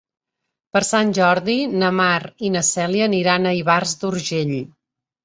Per Sant Jordi na Mar i na Cèlia aniran a Ivars d'Urgell.